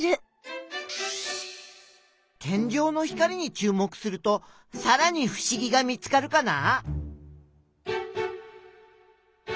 天井の光にちゅう目するとさらにふしぎが見つかるかな？